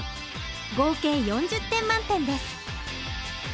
合計４０点満点です